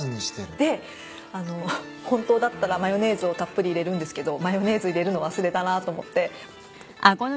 で本当だったらマヨネーズをたっぷり入れるんですけどマヨネーズ入れるの忘れたなと思って。